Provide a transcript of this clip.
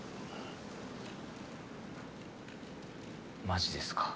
マジですか。